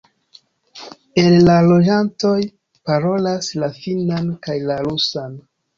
El la loĝantoj parolas la finnan kaj la rusan.